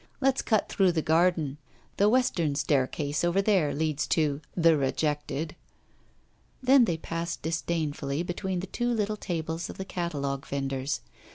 'Let's cut through the garden. The western staircase over there leads to "the Rejected."' Then they passed disdainfully between the two little tables of the catalogue vendors.